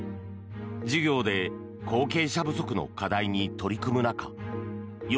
授業で後継者不足の課題に取り組む中吉